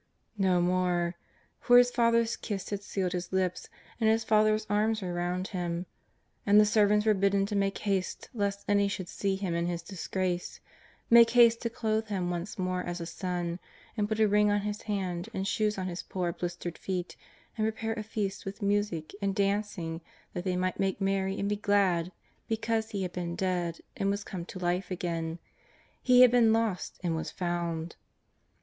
'No more; for his father's kiss had sealed his lips, and his father's arms were round him. And the ser vants were bidden to make haste lest any should see him in his disgrace — make haste to clothe him once more as a son, and put a ring on his hand and shoes on his poor, blistered feet, and prepare a feast with music and dancing that they might make merry and be glad be cause he had been dead and was come to life again, he had been lost and was found.